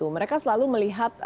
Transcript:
mereka selalu melihat